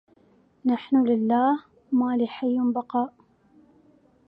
نحن لله ما لحي بقاء